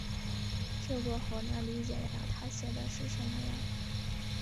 这个好难理解呀，她写的是什么呀？